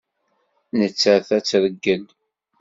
Nettat ad tt-reggel.